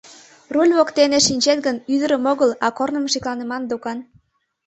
— Руль воктене шинчет гын, ӱдырым огыл, а корным шекланыман докан.